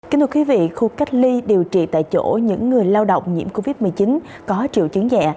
kính thưa quý vị khu cách ly điều trị tại chỗ những người lao động nhiễm covid một mươi chín có triệu chứng nhẹ